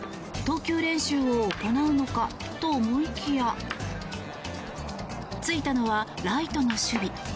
投球練習を行うのかと思いきや就いたのはライトの守備。